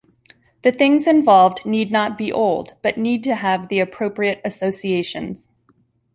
The things involved need not be old, but need to have the appropriate associations.